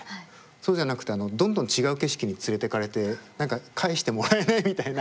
そうじゃなくてどんどん違う景色に連れてかれて何か帰してもらえないみたいな。